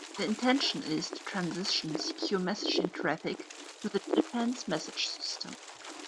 The intention is to transition secure messaging traffic to the Defense Message System.